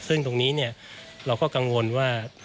ซึ่งตรงนี้เราก็กังวลว่า